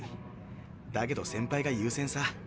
だけど先輩が優先さ。